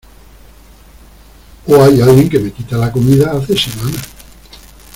o hay alguien que me quita la comida hace semanas.